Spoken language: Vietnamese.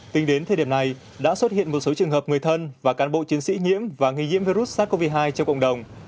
tính đến thời điểm này đã xuất hiện một số trường hợp người thân và cán bộ chiến sĩ nhiễm và nghi nhiễm virus sars cov hai trong cộng đồng